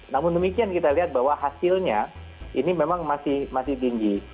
namun demikian kita lihat bahwa hasilnya ini memang masih tinggi